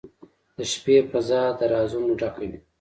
• د شپې فضاء د رازونو ډکه وي.